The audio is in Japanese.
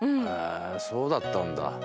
へぇそうだったんだ。